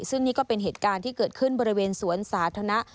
ซึ่งนี่ก็เป็นเหตุการณ์ที่เกิดขึ้นบริเวณสวนสาธารณะ